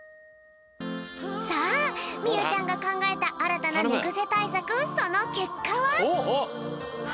さあみゆちゃんがかんがえたあらたなねぐせたいさくそのけっかは。